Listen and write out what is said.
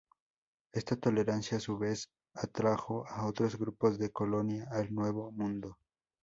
Esta tolerancia, a su vez, atrajo a otros grupos de colonia al Nuevo Mundo.